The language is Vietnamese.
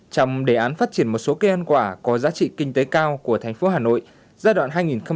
trong đề án phát triển một số cây ăn quả có giá trị kinh tế cao của thành phố hà nội giai đoạn hai nghìn một mươi sáu hai nghìn hai mươi